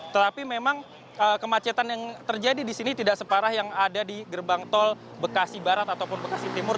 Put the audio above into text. tetapi memang kemacetan yang terjadi di sini tidak separah yang ada di gerbang tol bekasi barat ataupun bekasi timur